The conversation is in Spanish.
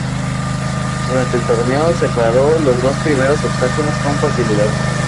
Durante el torneo, se aclaró los dos primeros obstáculos con facilidad.